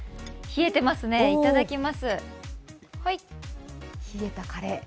冷えてますね、いただきます。